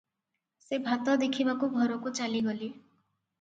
ସେ ଭାତ ଦେଖିବାକୁ ଘରକୁ ଚାଲିଗଲେ ।